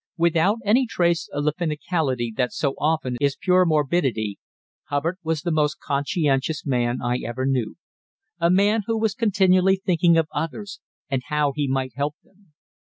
Without any trace of the finicality that so often is pure morbidity, Hubbard was the most conscientious man I ever knew, a man who was continually thinking of others and how he might help them.